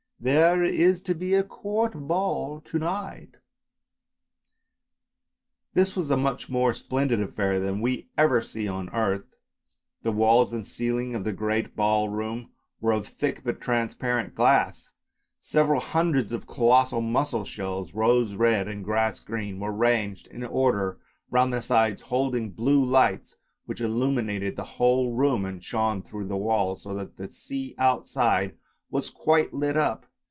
There is to be a court ball to night." t This was a much more splendid affair than we ever see on earth. The walls and the ceiling of the great ball room were of thick but transparent glass. Several hundreds of colossal mussel shells, rose red and grass green, were ranged in order round the sides holding blue lights, which illuminated the whole room and shone through the walls, so that the sea outside was quite lit up.